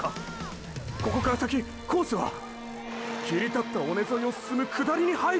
ここから先コースは切り立った尾根沿いを進む下りに入る！！